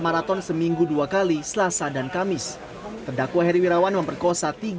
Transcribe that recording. maraton seminggu dua kali selasa dan kamis terdakwa heri wirawan memperkosa